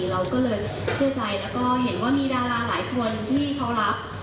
เราก็เลยเชื่อใจแล้วก็เห็นว่ามีดาราหลายคนที่เขารัก